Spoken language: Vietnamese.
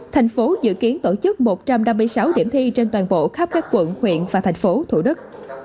thành phố dự kiến tổ chức một trăm năm mươi sáu điểm thi trên toàn bộ khắp các quận huyện và thành phố thủ đức